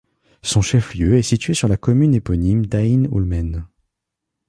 Son chef-lieu est situé sur la commune éponyme d'Aïn Oulmene.